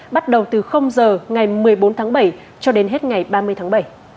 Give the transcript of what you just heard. bắt đầu từ giờ ngày một mươi bốn tháng bảy cho đến hết ngày ba mươi tháng bảy